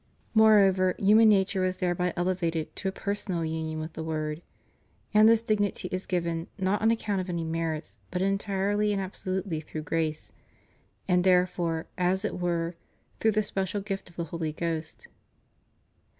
^ Moreover, human nature was thereby elevated to a personal union with the Word; and this dignity is given, not on account of any merits, but entirely and absolutely through grace, and therefore, as it were, through the special gift of the Holy Ghost.